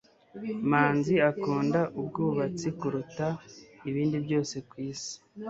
manzi akunda ubwubatsi kuruta ibindi byose kwisi